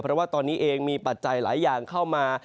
เพราะว่าตอนนี้เองมีปัจจัยหลายอย่างเข้ามา